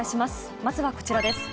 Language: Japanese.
まずはこちらです。